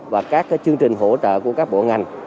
và các chương trình hỗ trợ của các bộ ngành